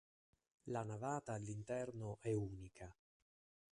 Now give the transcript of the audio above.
La navata all'interno è unica.